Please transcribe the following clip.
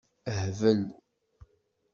Hbel.